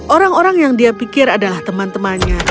orang orang yang dia pikir adalah teman temannya